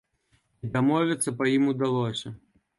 І дамовіцца па ім удалося.